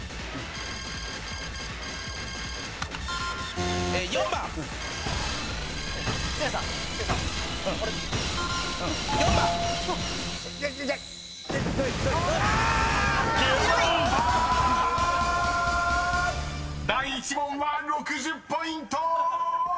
［第１問は６０ポイント！］